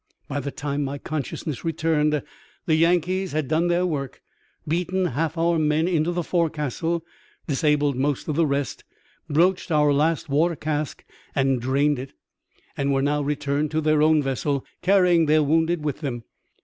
By the time my consciousness returned the Yankees had done their work, beaten half our men into the forecastle, disabled most of the rest, broached our last water cask and drained it ! and were now returned to their own vessel, carrying their wounded with them.